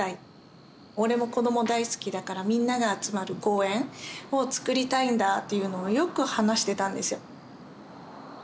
俺も子ども大好きだからみんなが集まる公園をつくりたいんだっていうのをよく話してたんですよ。